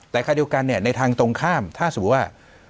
แต่คราวเดียวกันเนี่ยในทางตรงข้ามถ้าสมมุติว่า